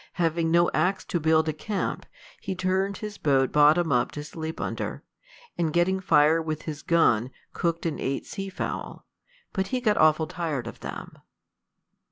Having no axe to build a camp, he turned his boat bottom up to sleep under, and getting fire with his gun, cooked and ate sea fowl; but he got awful tired of them.